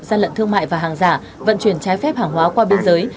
gian lận thương mại và hàng giả vận chuyển trái phép hàng hóa qua biên giới